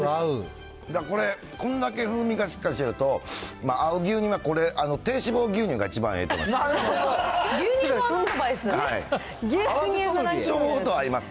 だからこれ、こんだけ風味がしっかりしてると、合う牛乳はこれ、低脂肪牛乳が一番ええと思います。